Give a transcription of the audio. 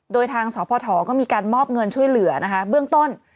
โดยทางสพก็มีการมอบเงินช่วยเหลือนะคะเบื้องต้น